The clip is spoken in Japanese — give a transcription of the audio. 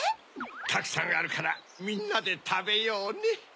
たくさんあるからみんなでたべようね。